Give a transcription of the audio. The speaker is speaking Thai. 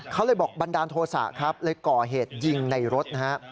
เขาเลยบอกบันดาลโทษะครับเลยก่อเหตุยิงในรถนะฮะ